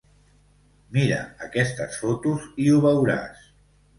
Mira aquestes fotos i ho veuràs.